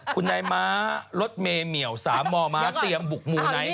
สุดใดม้ารถเมเมียว๓หม่อม้าเตรียมบุกมูน้ำ